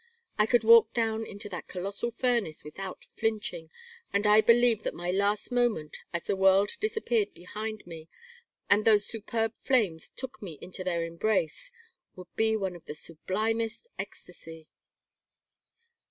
I could walk down into that colossal furnace without flinching, and I believe that my last moment, as the world disappeared behind me, and those superb flames took me into their embrace, would be one of sublimest ecstasy."